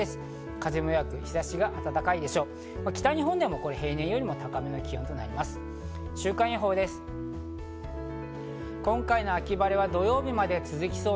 風も弱く日差しが暖かいでしょう。